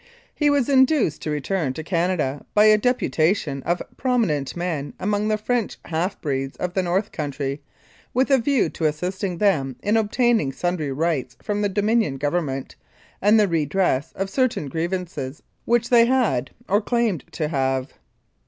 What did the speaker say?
He was induced to return to Canada by a deputation of prominent men among the French half breeds of the North Country, with a view to assisting them in obtaining sundry rights from the Dominion Government, and the redress of certain grievances which they had, or claimed to have.